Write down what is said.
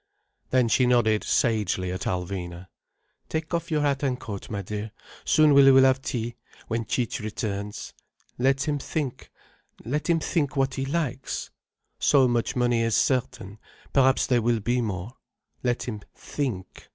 Then she nodded sagely at Alvina. "Take off your hat and coat, my dear. Soon we will have tea—when Cic' returns. Let him think, let him think what he likes. So much money is certain, perhaps there will be more. Let him think.